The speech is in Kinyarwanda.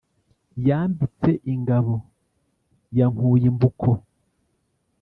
yambitse ingabo ya nkuy-imbuko